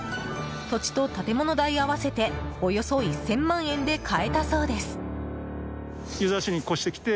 土地と建物代合わせておよそ１０００万円で買えたそうです。